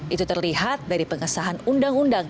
itu terlihat dari pengesahan undang undang